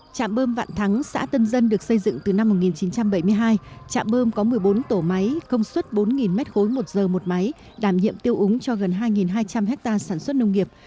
trạm bơm vạn thắng xã tân dân được xây dựng từ năm một nghìn chín trăm bảy mươi hai trạm bơm có một mươi bốn tổ máy công suất bốn m ba một giờ một máy đảm nhiệm tiêu úng cho gần hai hai trăm linh ha sản xuất nông nghiệp